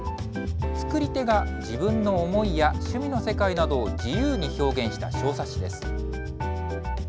作り手が自分の思いや趣味の世界などを自由に表現した小冊子です。